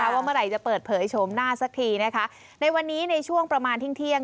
ว่าเมื่อไหร่จะเปิดเผยโฉมหน้าสักทีนะคะในวันนี้ในช่วงประมาณเที่ยง